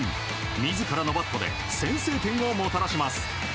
自らのバットで先制点をもたらします。